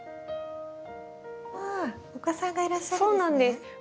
お子さんがいらっしゃるんですね。